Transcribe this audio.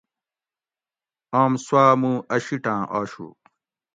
آم سُواۤ مُو اۤ شِیٹاۤں آشُو